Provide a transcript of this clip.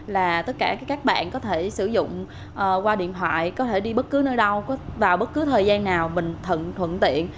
là tất cả các bạn có thể sử dụng qua điện thoại có thể đi bất cứ nơi đâu vào bất cứ thời gian nào mình thuận tiện